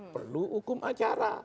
perlu hukum acara